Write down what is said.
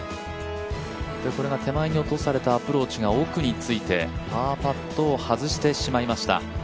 これが手前に落とされたアプローチが奥についてパーパットを外してしまいました。